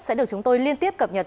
sẽ được chúng tôi liên tiếp cập nhật